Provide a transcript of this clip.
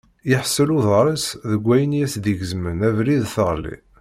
Yeḥṣel uḍar-is deg wayen i as-d-igezmen abrid teɣli.